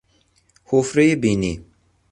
حفرهی بینی